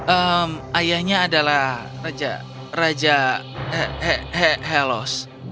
eh ayahnya adalah raja helos